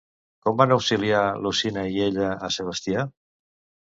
Com van auxiliar Lucina i ella a Sebastià?